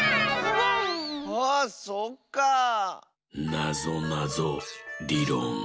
「なぞなぞりろん」